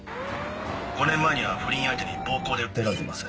５年前には不倫相手に暴行で訴えられています。